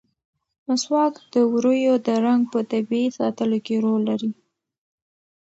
مسواک د ووریو د رنګ په طبیعي ساتلو کې رول لري.